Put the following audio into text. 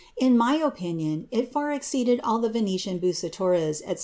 In my opinion, it far exceeded all the Venetian Bncentoras, &c.